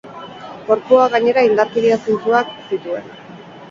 Gorpuak, gainera, indarkeria zantzuak zituen.